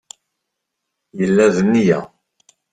Yella d nneyya.